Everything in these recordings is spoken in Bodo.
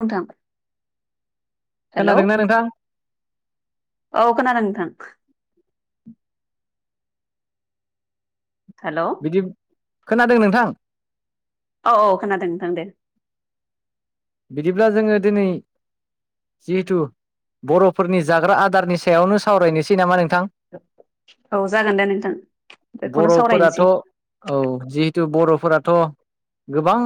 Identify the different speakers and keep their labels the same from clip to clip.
Speaker 1: नोंथां हेल'
Speaker 2: खोनादोंना नोंथां
Speaker 1: औ खोनादों नोंथां। हेल'
Speaker 2: बिदि खोनादों नोंथां?
Speaker 1: औ औ खोनादों नोंथां दे।
Speaker 2: बिदिब्ला जोङो दिनै जिहेथु बर'फोरनि जाग्रा आदारनि सायावनो सावरायनोसै नामा नोंथां?
Speaker 1: औ जागोन दे नोंथां बेखौनो
Speaker 2: बर'फोराथ'
Speaker 1: सावरायनोसै।
Speaker 2: औ जिहेतु बर'फोराथ' गोबां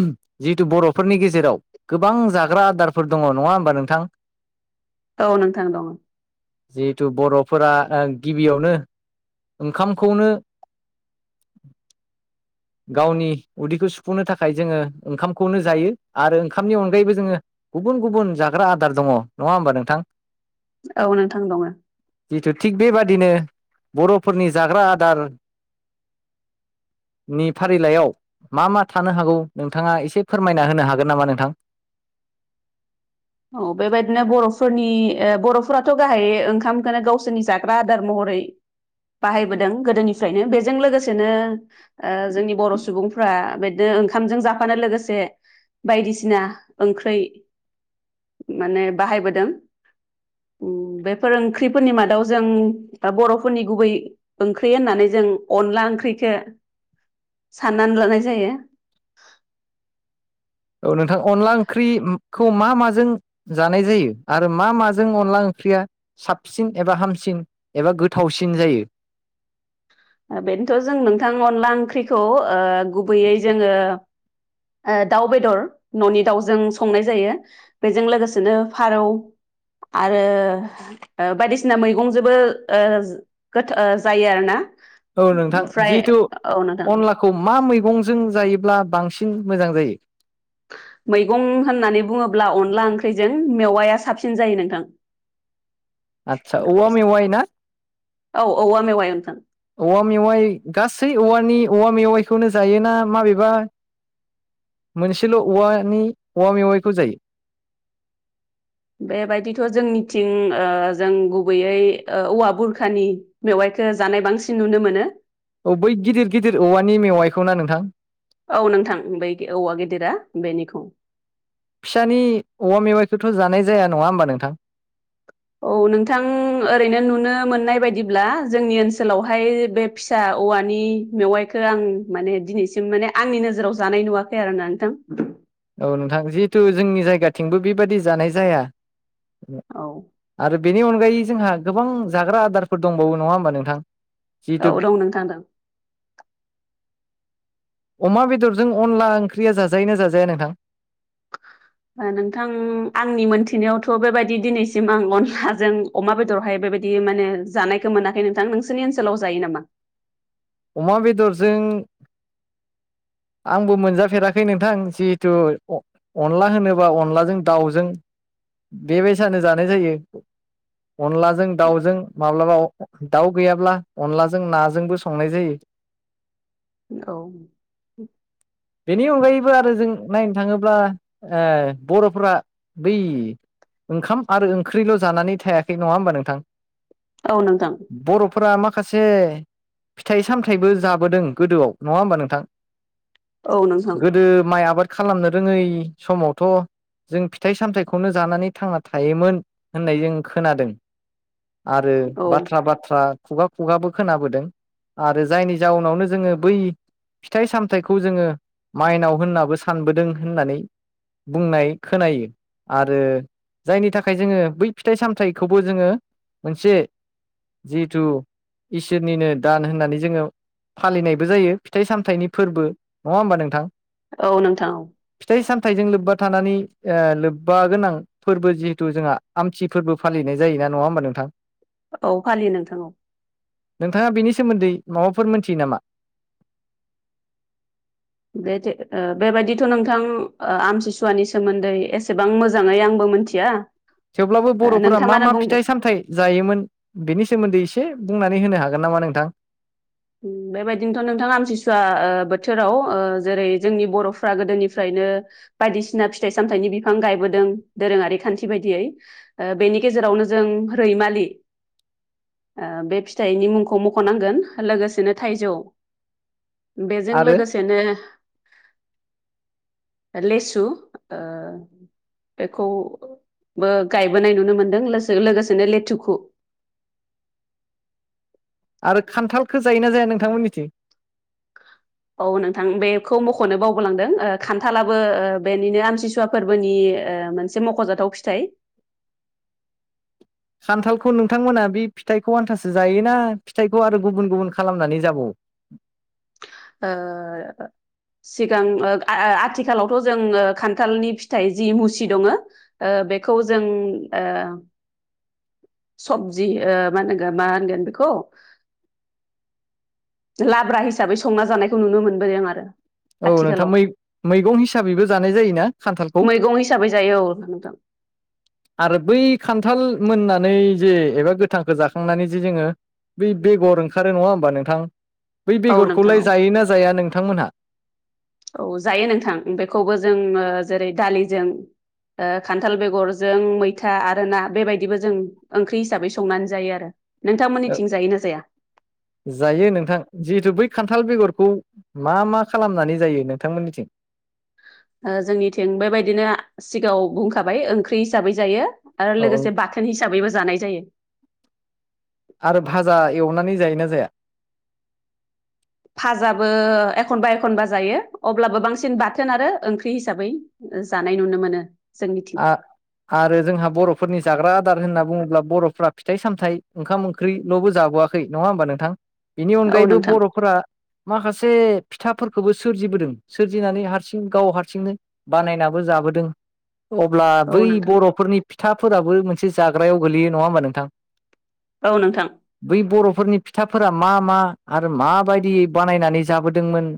Speaker 2: जिहेथु बर'फोरनि गेजेराव गोबां जाग्रा आदारफोर दङ नङा होमबा नोंथां?
Speaker 1: औ नोंथां दङ।
Speaker 2: जिहेथु बर'फोरा ओ गिबियावनो ओंखामखौनो गावनि उदैखौ सुफुंनो थाखाय जोङो ओंखामखौनो जायो आरो ओंखामनि अनगायैबो जोङो गुबुन गुबुन जाग्रा आदार दङ नङा होमबा नोंथां?
Speaker 1: औ नोंथां दङ।
Speaker 2: जिथु थिग बेबादिनो बर'फोरनि जाग्रा आदार नि फारिलाइयाव मा मा थानो हागौ नों नोंथाङा एसे फोरमायना होनो हागोन नामा नोंथां?
Speaker 1: औ बेबायदिनो बर'फोरनि ओ बर'फोराथ' गाहाय ओंखामखौनो गावसोरनि जाग्रा आदार महरै बाहायबोदों गोदोनिफ्रायनो बेजों लोगोसेनो ओ जोंनि बर' सुबुंफ्रा बेदो ओंखामजों जाफानो लोगोसे बायदिसिना ओंख्रै माने बाहायबोदों बेफोर ओंख्रिफोरनि मादाव जों दा बर'फोरनि गुबै ओंख्रि होननानै जों अनला ओंख्रिखो साननानै लानाय जायो।
Speaker 2: औ नोंथां अनला ओंख्रिखौ मा माजों जानाय जायो आरो मा माजों अनला ओंख्रिया साबसिन एबा हामसिन एबा गोथावसिन जायो।
Speaker 1: बेनोथ' जों नोंथां अनला ओंख्रिखौ गुबैयै जोङो दाउ बेदर न'नि दाउजों संनाय जायो। बेजों लोगोसेनो फारौ आरो बायदिसिना मैगंजोंबो गोथ जायो आरो ना। ओमफ्राय औ नोंथां।
Speaker 2: खौ मा मैगंजों जायोब्ला बांसिन मोजां जायो?
Speaker 1: मैगं होननानै बुङोब्ला अनला ओंख्रिजों मेवाया साबसिन जायो नोंथां।
Speaker 2: आदसा औवा मेवाइ ना?
Speaker 1: औ औवा मेवायनो नोंथां
Speaker 2: औवा मेवाइ गासै औवानि औवा मेवाइखौनो जायोना माबेबा मोनसेल' औवानि औवा मेवाइखौ जायो?
Speaker 1: बेबायदिथ' जोंनिथिं जों गुबैयै औवा बुरखानि बेवायखौ जानाय बांसिन नुनो मोनो।
Speaker 2: औ बै गिदिर गिदिर औवानि मेवाइखौ ना नोंथां।
Speaker 1: औ नोंथां औवा बै गिदिरा बेनिखौ
Speaker 2: फिसानि औवा मेवाइखौथ' जानाय जाया नङा होमबा नोंथां?
Speaker 1: औ नोंथां ओरैनो नुनो मोननाय बायदिब्ला जोंनि ओनसोलावहाय बे फिसा औवानि मेवाइखौ आं माने दिनैसिम माने आंनि नोजोराव जानाय नुवाखै आरोना नोंथां।
Speaker 2: औ नोंथां जिहेथु जोंनि जायगाथिंबो बेबादि जानाय जाया।
Speaker 1: औ।
Speaker 2: आरो बेनि अनगायै जोंहा गोबां जाग्रा आदारफोर दंबावो नङा होमबा नोंथां? जितु
Speaker 1: औ दं नोंथां दं
Speaker 2: अमा बेदरजों अनला ओंख्रिया जाजायोना जाजायानो थां
Speaker 1: नोंथां आंनि मोनथिनायावथ' बेबायदि दिनैसिम आं अनलाजों अमा बेदरहाय बेबायदि माने जानायखौ मोनाखै नोंथां नोंसोरनि ओनसोलाव जायो नामा?
Speaker 2: अमा बेदरजों आंबो मोनजाफेराखै नोंथां जिहेथु अनला होनोबा अनलाजों दाउजों बेबायसानो जानाय जायो। अनलाजों दाउजों माब्लाबा दाउ गैयाब्ला अनलाजों नाजोंबो संनाय जायो।
Speaker 1: औ।
Speaker 2: बेनि अनगायैबो आरो जों नायनो थाङोब्ला बर'फोरा बै ओंखाम आरो ओंख्रिल' जानानै थायाखै नङा होमबा नोंथां?
Speaker 1: औ नोंथां।
Speaker 2: बर'फोरा माखासे फिथाइ सामथायाइबो जाबोदों गोदोआव नङा होमबा नोंथां
Speaker 1: औ नोंथां
Speaker 2: गोदो माइ आबाद खालामनो रोङै समावथ' जों फिथाइ सामथायाइखौनो जानानै थांना थायोमोन होननाय जों खोनादों। आरो
Speaker 1: औ
Speaker 2: बाथ्रा बाथ्रा खुगा खुगाबो खोनाबोदों। आरो जायनि जाउनावनो जोङो बै फिथाइ सामथाइखौ जोङो माइनाव होननाबो सानबोदों होननानै बुंनाय खोनायो आरो जायनि थाखाय जोङो बै फिथाइ सामथायाइखौबो जोङो मोनसे जिथु इसोरनिनो दान होननानै जोङो फालिनायबो जायो फिथाइ सामथायाइनि फोरबो नङा होमबा नोंथां?
Speaker 1: औ नोंथां औ।
Speaker 2: फिथाइ सामथाइजों लोब्बा थानानै लोब्बा गोनां फोरबो जिहेतु जोंहा आमथि फोरबो फालिनाय जायोना नङा होमबा नोंथां?
Speaker 1: औ फालियो नोंथां औ।
Speaker 2: नोंथाङा बेनि सोमोन्दै माबाफोर मोनथियो नामा?
Speaker 1: बेबायदिथ' नोंथां आमसिसुवानि सोमोन्दै एसेबां मोजाङै आंबो मिथि या
Speaker 2: थेवब्लाबो बर'फोरा मा मा फिथाइ सामथाइ जायोमोन बेनि सोमोन्दै एसे बुंनानै होनो हागोन नामा नोंथां?
Speaker 1: बेबायदिनोथ' नोंथां आमथिसुवा बोथोराव जेरै जोंनि बर'फ्रा गोदोनिफ्रायनो बायदिसिना फिथाइ सामथाइनि बिफां गायबोदों दोरोङारि खान्थि बायदियै बेनि गेजेरावनो जों रैमालि बे फिथाइनि मुंखौ मख'नांगोन लोगोसेनो थाइजौ बेजों
Speaker 2: आरो
Speaker 1: लोगोसेनो
Speaker 2: [inaudible]
Speaker 1: लेसु बेखौबो गायबोनाय नुनो मोनदों लोगोसेनो लेथुखौ
Speaker 2: आरो खान्थालखौ जायोना जाया नोंथांमोननिथिं?
Speaker 1: औ नोंथां बेखौ मख'नो बावबोलांदों खान्थालाबो बेनिनो आमथिसुवा फोरबोनि मोन एसे मख'जाथाव फिथाइ
Speaker 2: खान्थालखौ नोंथांमोना बे फिथाइखौ आन्थासो जायोना फिथाइखौ आरो गुबुन गुबुन खालामनानै जाबावो?
Speaker 1: ओ सिगां आथिखालावथ' जों खान्थालनि फिथाइ जि मुसि दङ बेखौ जों सबजि मा होनगोन मा होनगोन बेखौ लाब्रा हिसाबै संना जानायखौ नुनो मोनबोदों आरो
Speaker 2: औ नोंथां
Speaker 1: आथिखालाव
Speaker 2: मैगं हिसाबैबो जानाय जायोना खान्थालखौ?
Speaker 1: मैगं हिसाबै जायो औ नोंथां
Speaker 2: आरो बै खान्थाल मोननानै जे एबा गोथांखौ जाखांनानै जे जोङो बै बेगर ओंखारो नङा होमबा नोंथां बै
Speaker 1: औ नोंथां
Speaker 2: बेगरखौलाय
Speaker 1: औ
Speaker 2: जायोना जाया नोंथांमोनहा?
Speaker 1: औ जायो नोंथां बेखौबो जों जेरै दालिजों खान्थाल बेगरजों मैथा आरो ना बेबायदिबो जों ओंख्रि हिसाबै संनानै जायो आरो
Speaker 2: ओ
Speaker 1: नोंथांमोननिथिं जायोना जाया?
Speaker 2: जायो नोंथां जिहेथु बै खान्थाल बेगरखौ मा मा खालामनानै जायो नोंथांमोननिथिं?
Speaker 1: जोंनिथिं बेबायदिनो सिगाङाव बुंखाबाय ओंख्रि हिसाबै जायो आरो
Speaker 2: औ औ
Speaker 1: लोगोसे बाथोन हिसाबैबो जानाय जायो
Speaker 2: आरो भाजा एवनानै जायोना जाया?
Speaker 1: फाजाबो एखनबा एखनबा जायो अब्लाबो बांसिन बाथोन आरो ओंख्रि हिसाबै जानाय नुनो मोनो जोंनि
Speaker 2: आ आरो जोंहा बर'फोरनि जाग्रा आदार होनना बुङोब्ला बर'फोरा फिथाइ सामथ ओंखाम ओं ख्रिल'बो जाबोआखै नङा होमबा नोंथां बेनि
Speaker 1: औ
Speaker 2: अनगायैबो
Speaker 1: नोंथां
Speaker 2: बर'फोरा माखासे फिथाफोरखौबो सोरजिबोदों सोरजिनानै हारसिं गाव हारसिंनो बानायनाबो जाबोदों अब्ला
Speaker 1: औ
Speaker 2: बै
Speaker 1: नोंथां
Speaker 2: बर'फोरनि फिथाफोराबो मोनसे जाग्रायाव गोलैयो नङा होमबा नोंथां?
Speaker 1: औ नोंथां
Speaker 2: बै बर'फोरनि फिथाफोरा मा मा आरो माबायदि बानायनानै जाबोदोंमोन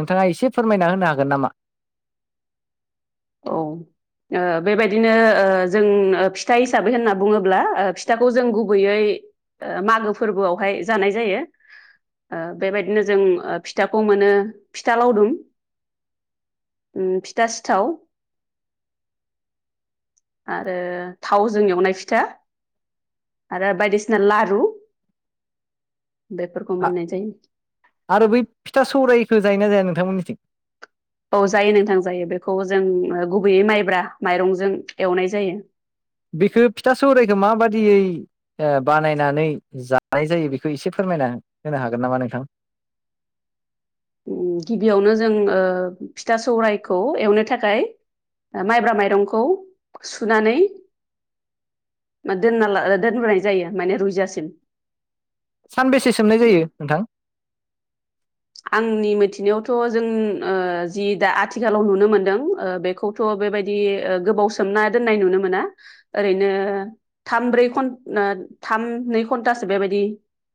Speaker 2: नोंथाङा एसे फोरमायना होनो हागोन नामा?
Speaker 1: औ ओ बेबायदिनो ओ जों फिथाय हिसाबै होनना बुङोब्ला ओ फिथाखौ जों गुबैयै ओ मागो फोरबोआवहाय जानाय जायो। ओ बेबायदिनो जों ओ फिथाखौ मोनो फिथा लावदुम उम फिथा सिथाव आरो थावजों एवनाय फिथा आरो बायदिसिना लारु बेफोरखौ मोननाय जायो।
Speaker 2: आरो बै फिथा सौरायखो जायो ना जाया नोंथांमोननिथिं?
Speaker 1: औ जायो नोंथां जायो बेखौ जों ओ गुबैयै माइब्रा माइरंजों एवनाय जायो।
Speaker 2: बेखौ फिथा सौरायखौ माबादियै ओ बानायनानै जानाय जायो बेखौ एसे फोरमायना होनो हागोन नामा नोंथां?
Speaker 1: गिबियावनो जों ओ फिथा सौरायखौ एवनो थाखाय माइब्रा माइरंखौ सुनानै मा दोननाला दोनबोनाय जायो माने रुइजासिम
Speaker 2: सानबेसे सोमनाय जायो नोंथां?
Speaker 1: आंनि मिथिनायावथ' जों ओ जि दा आथिखालाव नुनो मोनदों ओ बे बखौथ' बेबायदि ओ गोबाव सोमना दोननाय नुनो मोना ओरैनो थाम ब्रै घन ना थाम नै घन्टासो बेबायदि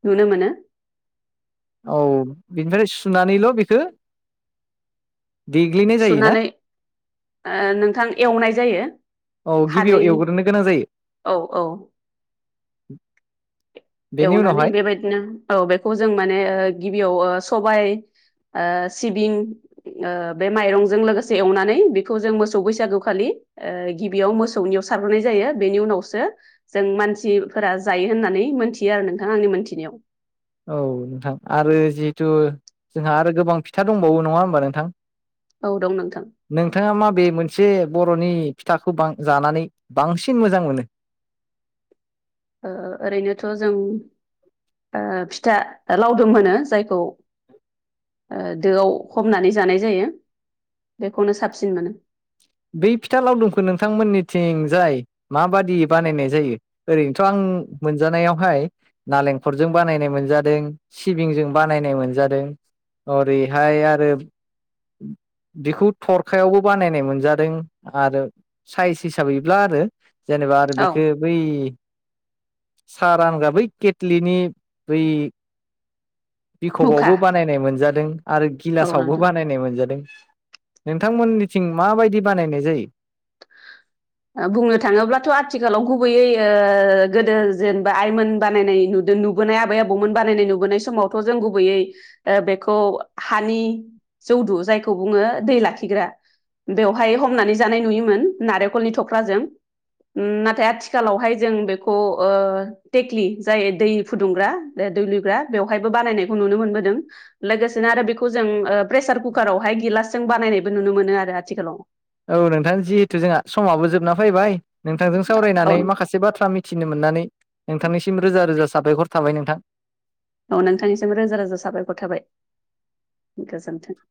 Speaker 1: नुनो मोनो
Speaker 2: औ बिनिफ्राय सुनानैल' बेखो जायो ना?
Speaker 1: सुनानै ओ नोंथां एवनाय जायो।
Speaker 2: औ
Speaker 1: खानै
Speaker 2: गिबियाव एवग्रोनो गोनां
Speaker 1: औ औ
Speaker 2: जायो [inaudible] बेनि
Speaker 1: एवनानै
Speaker 2: उनावहाय
Speaker 1: बेबायदिनो औ बेखौ जों माने ओ गिबियाव सबाय आ सिबिं ओ बे माइरंजों लोगोसे एवनानै बेखौ जों मोसौ बैसागु खालि ओ गिबियाव मोसौनियाव सारबोनाय जायो बेनि उनावसो जों मानसिफोरा जायो होननानै मोनथियो आरो नोंथां आंनि मोनथिनायाव।
Speaker 2: औ नोंथां आरो जिहेथु जोंहा आरो गोबां फिथा दंबावो नङा होमबा नोंथां?
Speaker 1: औ दं नोंथां
Speaker 2: नोंथाङा माबे मोनसे बर'नि फिथाखौ बां जानानै बांसिन मोजां मोनो?
Speaker 1: ओरैनोथ' जों ओ फिथा लावदुम होनो जायखौ ओ दोआव हमनानै जानाय जायो बेखौनो साबसिन मोनो।
Speaker 2: बै फिथा लावदुमखौ नोंथांमोननिथिं जाय माबादि बानायनाय जायो? ओरैनोथ' आं मोनजानायावहाय नालेंखरजों बानायनाय मोनजादों सिबिंजों बानायनाय मोनजादों। अरैहाय आरो बेखौ थरखायावबो बानायनाय मोनजा आरो साइस हिसाबैब्ला आरो जेनेबा आरो
Speaker 1: औ
Speaker 2: बेखौ बै सा रानग्रा बै केटलिनि बै
Speaker 1: मुखा
Speaker 2: बिखबावबो बानायनाय मोनजादों आरो
Speaker 1: औ
Speaker 2: गिलासावबो
Speaker 1: नोंथां
Speaker 2: बानायनाय मोनजादों। नोंथांमोननिथिं माबायदि बानायनाय जायो? [inaudible]
Speaker 1: बुंनो थाङोब्लाथ' आथिखालाव गुबैयै ओ गोदो जेनेबा आइमोन बानायनाय नुदों नुबा बोनाय आबै आबौमोन बानायनाय नुबोनाय समावथ' जों गुबैयै ओ बेखौ हानि जौदु जायखौ बुङो दै लाखिग्रा बेवहाय हमनानै जानाय नुयोमोन। नारेंखलनि थख्राजों नाथाय आथिखालावहाय जों बेखौ ओ टेक्लि जाय दै फुदुंग्रा दै लुग्रा बेवहायबो बानायनायखौ नुनो मोनबोदों। लोगोसेनो आरो बेखौ जों ओ प्रेसार कुकारावहाय गिलासजों बानायनायबो नुनो मोनो आरो आथिखालाव
Speaker 2: औ नोंथां जिहेथु जोंहा समाबो जोबना फैबाय नोंथांजों
Speaker 1: औ
Speaker 2: सावरायनानै माखासे बाथ्रा मिथिनो मोननानै नोंथांनिसिम रोजा रोजा साबायखर थाबाय नोंथां।
Speaker 1: औ नोंथांनिसिम रोजा रोजा साबायखर थाबाय गोजोन्थों।